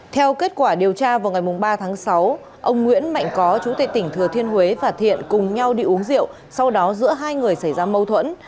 theo kết quả điều tra vào ngày ba tháng sáu ông nguyễn mạnh có chủ tịch tỉnh thừa thiên huế và thiện cùng nhau đi uống rượu sau đó giữa hai người xảy ra mâu thuẫn